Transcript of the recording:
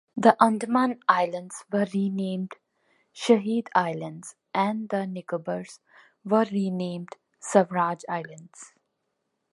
The Andaman Islands were renamed Shaheed Islands, and the Nicobars were renamed Swaraj Islands.